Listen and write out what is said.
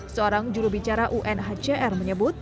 seorang jurubicara unhcr menyebut